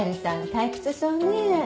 退屈そうね。